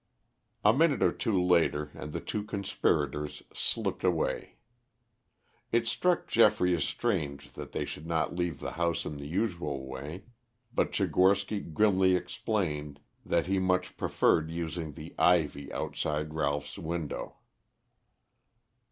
A minute or two later and the two conspirators slipped away. It struck Geoffrey as strange that they should not leave the house in the usual way; but Tchigorsky grimly explained that he much preferred using the ivy outside Ralph's window.